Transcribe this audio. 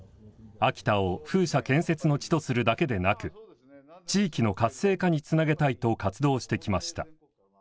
秋田を風車建設の地とするだけでなく地域の活性化につなげたいと活動してきました。